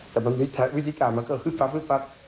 แต่วิธีการมันก็ฮึดฟับ